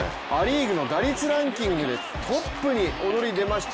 打率ランキングでトップに躍り出ました。